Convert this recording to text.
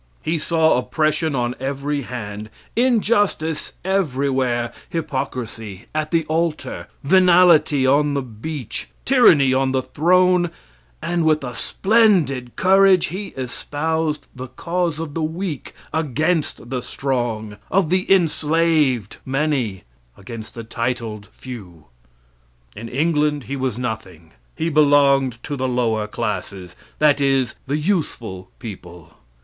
He saw oppression on every hand, injustice everywhere, hypocrisy at the altar, venality on the bench, tyranny on the throne, and with a splendid courage he espoused the cause of the weak against the strong, of the enslaved many against the titled few. In England he was nothing. He belonged to the lower classes that is, the useful people.